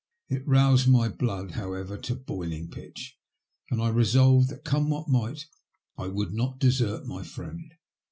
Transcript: It roused my blood, however, to boiling pitch, and I resolved that, come what might, I would not desert my friend.